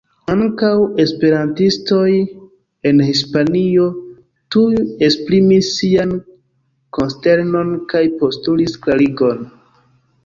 Ankaŭ esperantistoj en Hispanio tuj esprimis sian konsternon kaj postulis klarigon.